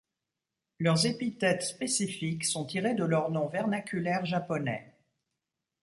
Leurs épithètes spécifiques sont tirés de leurs noms vernaculaires japonais.